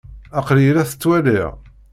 Aql-iyi la t-ttwaliɣ.